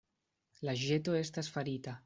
La ĵeto estas farita.